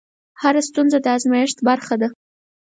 هره ستونزه د ازمېښت برخه ده.